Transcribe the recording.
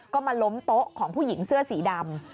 ก็มาล้มโต๊ะของผู้หญิงเสื้อสีดำ